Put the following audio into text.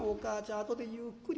あとでゆっくり。